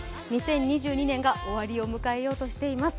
２０２２年が終わりを迎えようとしています。